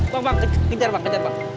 bang bang kejar bang kejar bang